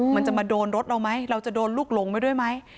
มันจะมาโดนรถเราไหมเราจะโดนลูกหลงไปด้วยไหม